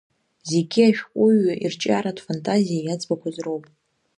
Зегьы ашәҟәҩҩы ирҿиаратә фантазиа иаӡбақәаз роуп.